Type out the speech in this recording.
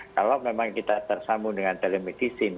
kalau memang kita tersambung dengan telemedicine